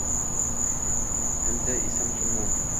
Hindni esa musulmon.